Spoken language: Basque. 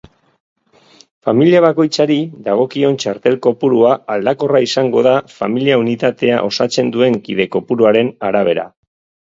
Familia bakoitzari dagokion txartel-kopurua aldakorra izango da familia-unitatea osatzen duen kide-kopuruaren arabera.